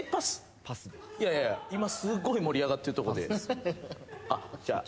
いやいや今すっごい盛り上がってるとこで。